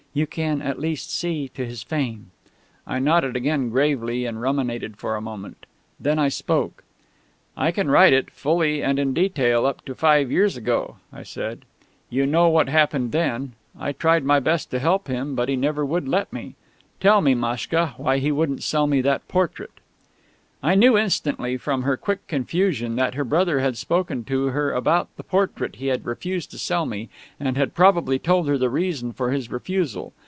You can, at least, see to his fame." I nodded again gravely, and ruminated for a moment. Then I spoke. "I can write it, fully and in detail, up to five years ago," I said. "You know what happened then. I tried my best to help him, but he never would let me. Tell me, Maschka, why he wouldn't sell me that portrait." I knew instantly, from her quick confusion, that her brother had spoken to her about the portrait he had refused to sell me, and had probably told her the reason for his refusal.